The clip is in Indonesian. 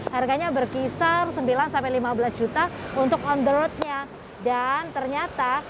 harganya berkisar sembilan lima belas juta untuk on the roadnya dan ternyata